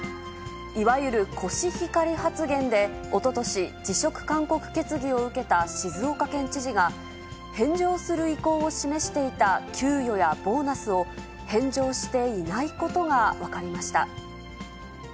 いわゆるコシヒカリ発言で、おととし、辞職勧告決議を受けた静岡県知事が、返上する意向を示していた給与やボーナスを、返上していないことが分かりました。